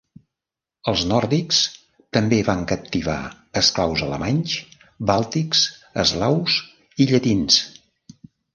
Els nòrdics també van captivar esclaus alemanys, bàltics, eslaus i llatins.